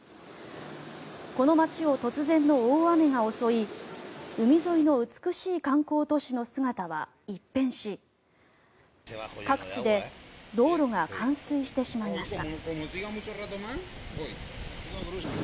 この町を突然の大雨が襲い海沿いの美しい観光都市の姿は一変し各地で道路が冠水してしまいました。